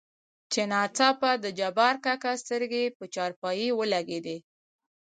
چې ناڅاپه دجبارکاکا سترګې په چارپايي ولګېدې.